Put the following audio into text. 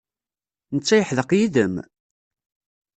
Netta yeḥdeq yid-m?